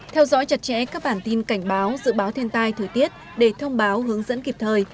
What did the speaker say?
theo dõi chặt chẽ các bản tin cảnh báo dự báo thiên tai thời tiết để thông báo hướng dẫn kịp thời